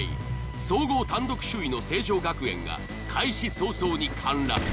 総合単独首位の成城学園が開始早々に陥落！